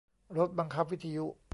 รถบังคับวิทยุ